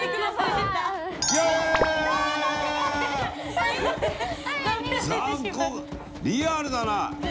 残酷リアルだな。